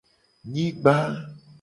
Nyigba.